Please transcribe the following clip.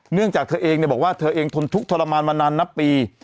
เนื่องจากเธอเองบอกว่าเธอเองทนทุกข์ทรมานมานานนับปี